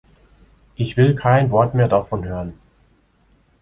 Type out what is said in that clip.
Ich will kein Wort mehr davon hören.